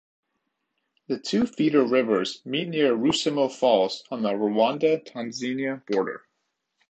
The two feeder rivers meet near Rusumo Falls on the Rwanda-Tanzania border.